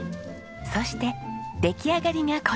そして出来上がりがこちら。